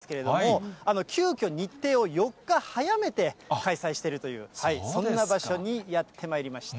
今、桜まつりというのが、４年ぶりに開催されているんですけれども、急きょ、日程を４日早めて開催しているという、そんな場所にやってまいりました。